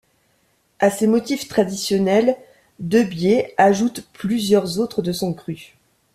À ces motifs traditionnels, De Bie ajoute plusieurs autres de son cru.